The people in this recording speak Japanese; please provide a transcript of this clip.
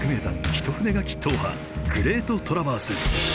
一筆書き踏破「グレートトラバース」。